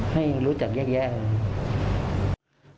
ให้รู้จักแยก